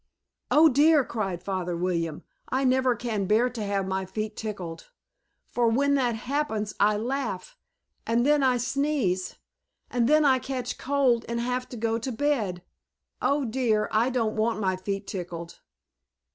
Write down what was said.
"Oh, dear!" cried Father William. "I never can bear to have my feet tickled. For, when that happens I laugh and then I sneeze and then I catch cold and have to go to bed. Oh, dear! I don't want my feet tickled!"